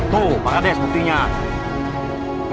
tuh pak hades buktinya